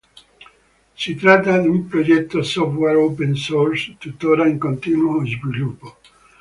Si tratta di un progetto software open source tuttora in continuo sviluppo.